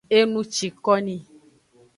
Enucikoni.